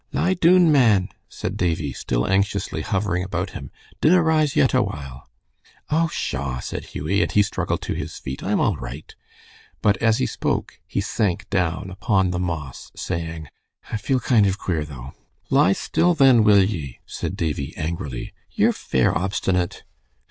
"Lie doon, man," said Davie, still anxiously hovering about him. "Dinna rise yet awhile." "Oh, pshaw!" said Hughie, and he struggled to his feet; "I'm all right." But as he spoke he sank down upon the moss, saying, "I feel kind of queer, though." "Lie still, then, will ye," said Davie, angrily. "Ye're fair obstinate."